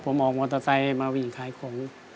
ผมออกมอเตอร์ไซค์มาวิ่งขายของ